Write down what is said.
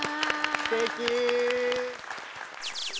すてき。